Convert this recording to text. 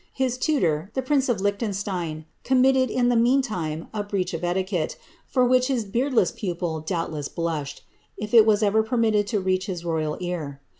His tutor, the prince of Lichtenstein, committed in the mean time a breach of etiquette, for which his beardless pupil doubtless blushed, if it was ever permitted to reach his royal ear.